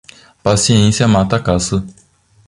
Paciência mata a caça.